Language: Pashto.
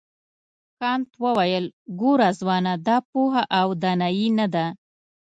کانت وویل ګوره ځوانه دا پوهه او دانایي نه ده.